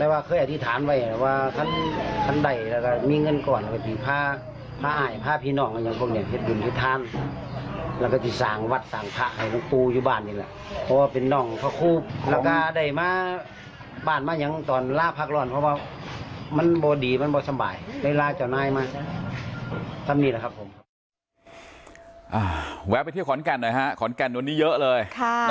ไว้เที่ยวขอนแก่นไหมครับขอนแก่นวันนี้เยอะเลย